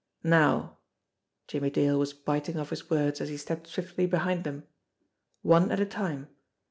"Now" Jimmie Dale was biting off his words, as he stepped swiftly behind them "one at a time.